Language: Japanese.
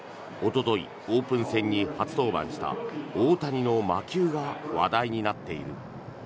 おととい、オープン戦に初登板した大谷の魔球が話題になっている。